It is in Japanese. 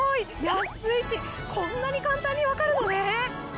安いしこんなに簡単に分かるのね！